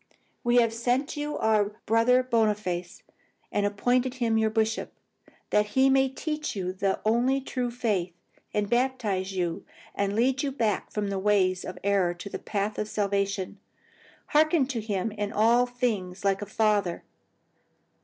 "'We have sent unto you our Brother Boniface, and appointed him your bishop, that he may teach you the only true faith, and baptize you, and lead you back from the ways of error to the path of salvation. Hearken to him in all things like a father.